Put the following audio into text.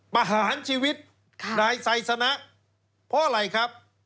ประหารชีวิตนายไซสนะเพราะอะไรครับ